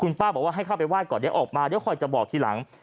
ป้าบอกว่าให้เข้าไปไหว้ก่อนเดี๋ยวออกมาเดี๋ยวคอยจะบอกทีหลัง